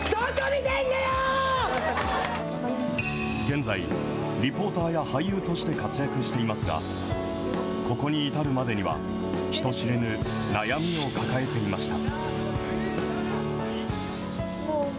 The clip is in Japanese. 現在、リポーターや俳優として活躍していますが、ここに至るまでには、人知れぬ悩みを抱えていました。